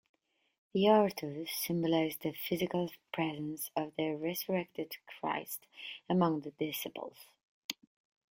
The Artos symbolizes the physical presence of the resurrected Christ among the disciples.